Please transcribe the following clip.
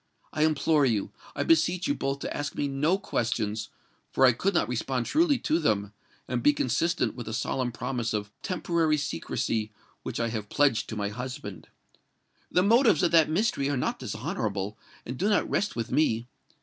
I implore you—I beseech you both to ask me no questions; for I could not respond truly to them, and be consistent with a solemn promise of temporary secrecy which I have pledged to my husband! The motives of that mystery are not dishonourable, and do not rest with me.